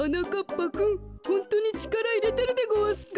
ぱくんホントにちからいれてるでごわすか？